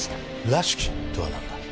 「らしき」とはなんだ？